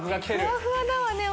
ふわふわだわね